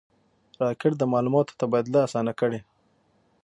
راکټ د معلوماتو تبادله آسانه کړې